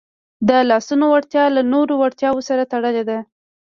د لاسونو وړتیا له نورو وړتیاوو سره تړلې ده.